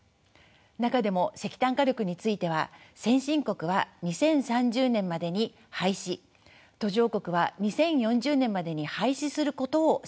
中でも石炭火力については先進国は２０３０年までに廃止途上国は２０４０年までに廃止することを迫っています。